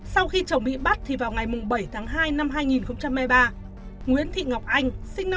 sau khi chồng bị bắt thì vào ngày bảy tháng hai năm hai nghìn hai mươi ba nguyễn thị ngọc anh